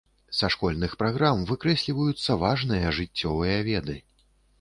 Са школьных праграм выкрэсліваюцца важныя жыццёвыя веды.